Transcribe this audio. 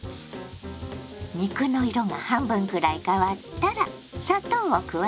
肉の色が半分くらい変わったら砂糖を加えます。